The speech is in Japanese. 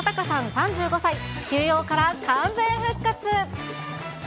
３５歳、休養から完全復活。